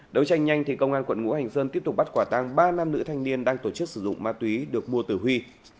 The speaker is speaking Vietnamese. đấu tranh nhanh thì công an quận ngũ hành sơn tiếp tục bắt quả tang ba nam nữ thanh niên đang tổ chức sử dụng ma túy được mua từ huy